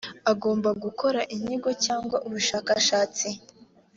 agomba gukora inyigo cyangwa ubushakashatsi